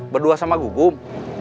berdua sama gugum